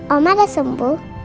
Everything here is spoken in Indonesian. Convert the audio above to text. oma udah sembuh